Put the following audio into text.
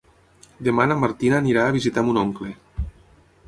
Demà na Martina anirà a visitar mon oncle.